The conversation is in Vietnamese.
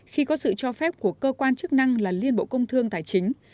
khi có sự cho phép của cơ quan chức năng là liên bộ công thương tài chính